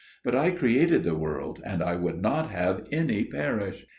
But I created the world, and I would not have any perish.